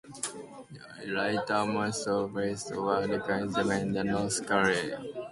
In addition, light amounts of precipitation were also reported in Georgia and North Carolina.